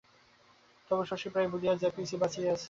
তবু শশী প্রায়ই ভুলিযা যায় পিসি বাঁচিয়া আছে।